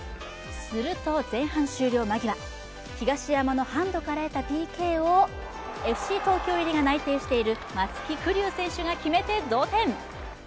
すると前半終了間際、東山のハンドから得たＰＫをＦＣ東京入りが内定している松木玖生選手が決めて同点。